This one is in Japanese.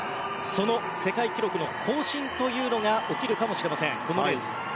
その世界記録の更新というのが起きるかもしれないこのレース。